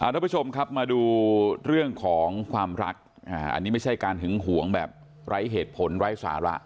ทุกผู้ชมครับมาดูเรื่องของความรักอันนี้ไม่ใช่การหึงหวงแบบไร้เหตุผลไร้สาระ